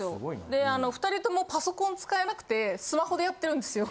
であの２人ともパソコン使えなくてスマホでやってるんですよ。